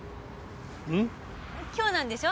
うん？今日なんでしょ？